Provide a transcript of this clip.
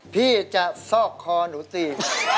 พี่จะซอกคอหนูตี